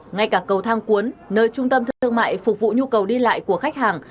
ngay cả cầu thang cuốn nơi trung tâm thương mại phục vụ nhu cầu đi lại của khách hàng